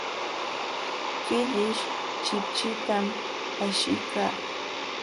Killish chipchitam ashiykan.